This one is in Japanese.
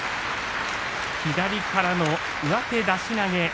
左からの上手出し投げ。